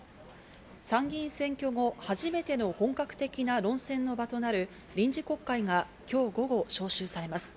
参議院選挙後、初めての本格的な論戦の場となる臨時国会が今日午後、召集されます。